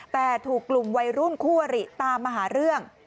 แต่ถูกกลุ่มวัยรุ่นคู่อริตามมาหาเรื่อง